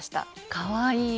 かわいい。